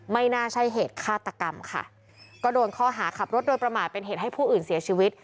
ไม่น่าใช่เหตุฆาตกรรมค่ะก็โดนข้อหาขับรถโดยประมาทเป็นเหตุให้ผู้อื่นเสียชีวิต